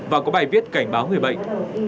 và có bài viết cảnh báo người bệnh